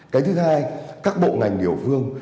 cái thứ hai các bộ ngành địa phương